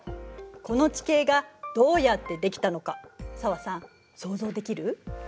この地形がどうやってできたのか紗和さん想像できる？